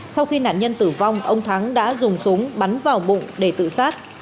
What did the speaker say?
sau khi nạn nhân tử vong ông thắng đã dùng súng bắn vào bụng để tự sát